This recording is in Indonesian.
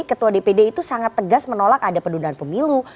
ketua dpd itu sangat tegas menolak ada pendudukan pemilu